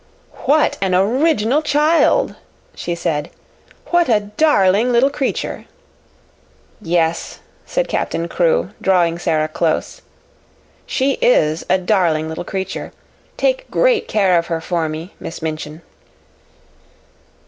"What an original child!" she said. "What a darling little creature!" "Yes," said Captain Crewe, drawing Sara close. "She is a darling little creature. Take great care of her for me, Miss Minchin."